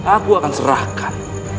aku akan serahkan